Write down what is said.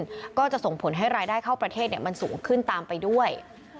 ซึ่งก็จะส่งผลให้รายได้เข้าประเทศมันสูงขึ้นตามไปด้วย